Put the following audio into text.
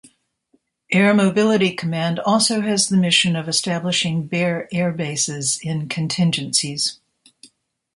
Air Mobility Command also has the mission of establishing bare air bases in contingencies.